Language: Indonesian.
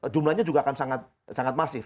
jumlahnya juga akan sangat masif